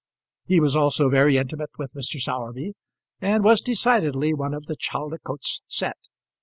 He also was very intimate with Mr. Sowerby, and was decidedly one of the Chaldicotes set.